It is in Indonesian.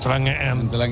celenge an gitu kan